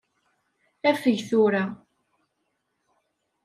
Afeg tura.